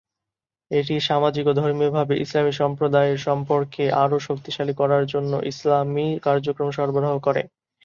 এটি সামাজিক ও ধর্মীয়ভাবে ইসলামি সম্প্রদায়ের সম্পর্ককে আরও শক্তিশালী করার জন্য ইসলামি কার্যক্রম সরবরাহ করে।